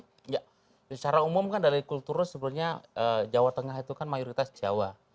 tidak secara umum kan dari kultural sebenarnya jawa tengah itu kan mayoritas jawa